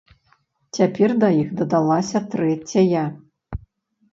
Цяпер да іх дадалася трэцяя.